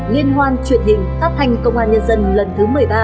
liên hoan truyền hình phát thanh công an nhân dân lần thứ một mươi ba